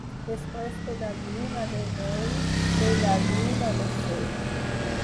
Després de la lluna de mel ve la lluna de fel.